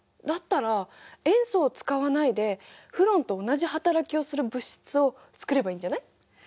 だったら塩素を使わないでフロンと同じ働きをする物質を作ればいいんじゃない？